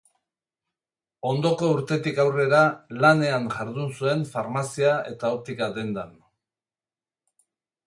Ondoko urtetik aurrera lanean jardun zuen farmazia eta optika dendan.